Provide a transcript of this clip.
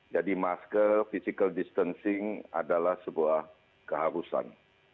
jadi masker physical distancing adalah sebuah keharusan